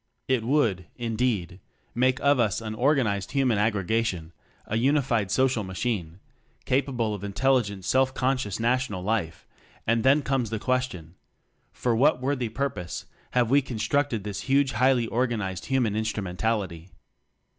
It would, indeed, make of us an or ganized human aggregation a unified social machine, capable of intelligent self conscious national life; and then comes the question: For what worthy purpose have we constructed this huge highly organized Human Instrumentality?